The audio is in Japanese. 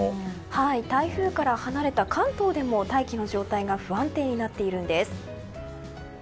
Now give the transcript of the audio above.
台風から離れた関東でも大気の状態が不安定になっているんです。